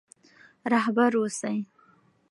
رهبر اوسئ.